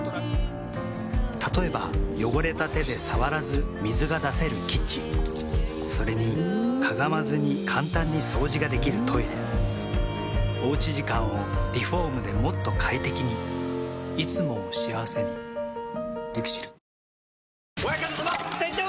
例えば汚れた手で触らず水が出せるキッチンそれにかがまずに簡単に掃除ができるトイレおうち時間をリフォームでもっと快適にいつもを幸せにＬＩＸＩＬ。